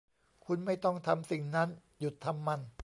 คุณไม่ต้องทำสิ่งนั้น หยุดทำมัน